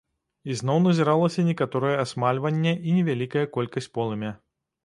Ізноў назіралася некаторае асмальванне і невялікая колькасць полымя.